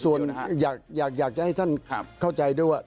ส่วนอยากอยากอยากจะให้ท่านครับเข้าใจด้วยว่า